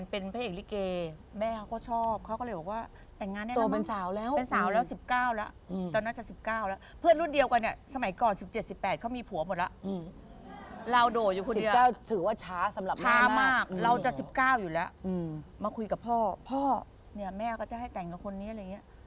พ่อเนี่ยแม่ก็จะให้แต่งกับคนนี้อะไรเงี้ย